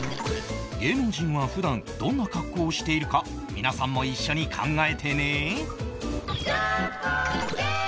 芸能人は普段どんな格好をしているか皆さんも一緒に考えてね